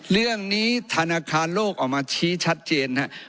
เรื่องนี้ธนาคารโลกออกมาชี้ชัดเจนนะครับ